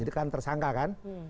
jadi kan tersangka kan